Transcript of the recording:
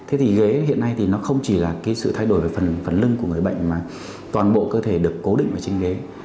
thế thì ghế hiện nay thì nó không chỉ là cái sự thay đổi về phần lưng của người bệnh mà toàn bộ cơ thể được cố định ở trên ghế